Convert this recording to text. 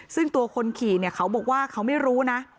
ซึ่งตัวคนขี่เขาบอกว่าเขาไม่รู้นะ